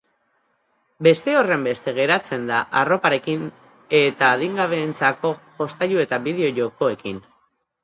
Beste horrenbeste gertatzen da arroparekin edo adingabeentzako jostailu edo bideo-jokoekin.